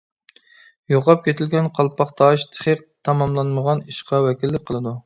يوقاپ كېتىلگەن قالپاق تاش تېخى تاماملانمىغان ئىشقا ۋەكىللىك قىلىدۇ.